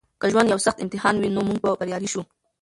که ژوند یو سخت امتحان وي نو موږ به بریالي شو.